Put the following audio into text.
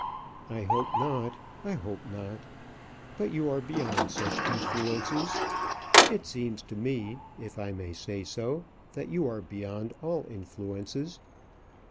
"I hope not I hope not. But you are beyond such influences. It seems to me, if I may say so, that you are beyond all influences."